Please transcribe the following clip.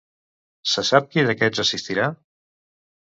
Se sap qui d'aquests assistirà?